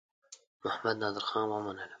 محمدنادرخان ومنلم.